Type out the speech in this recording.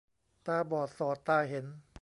ตาบอดสอดตาเห็น